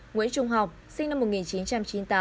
nguyễn trung học sinh năm một nghìn chín trăm chín mươi tám